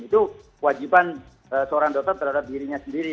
itu wajiban seorang dokter terhadap dirinya sendiri